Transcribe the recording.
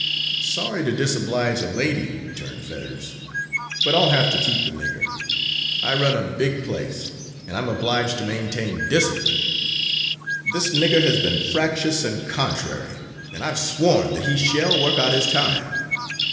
"Sorry to disoblige a lady," returned Fetters, "but I'll have to keep the nigger. I run a big place, and I'm obliged to maintain discipline. This nigger has been fractious and contrary, and I've sworn that he shall work out his time.